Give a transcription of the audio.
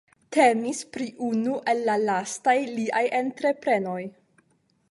Temis pri unu el la lastaj liaj entreprenoj.